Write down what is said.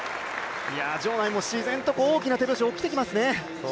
場内も自然と大きな手拍子、起きてきますね。